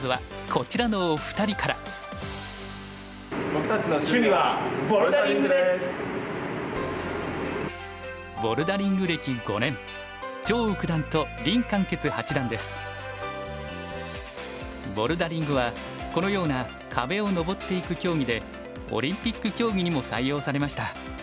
僕たちの趣味はボルダリングはこのような壁を登っていく競技でオリンピック競技にも採用されました。